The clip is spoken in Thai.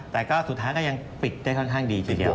แต่สุดท้ายก็ยังปิดได้ค่อนข้างดี